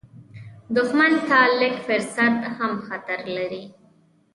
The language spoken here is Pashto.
دښمن ته لږ فرصت هم خطر لري